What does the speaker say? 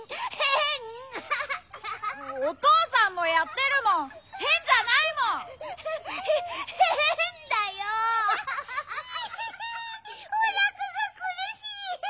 ひおなかがくるしい！